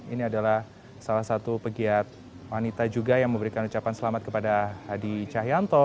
ini adalah salah satu pegiat wanita juga yang memberikan ucapan selamat kepada hadi cahyanto